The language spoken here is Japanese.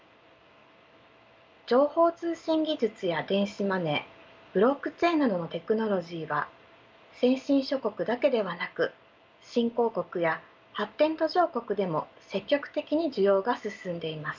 情報通信技術や電子マネーブロックチェーンなどのテクノロジーは先進諸国だけではなく新興国や発展途上国でも積極的に需要が進んでいます。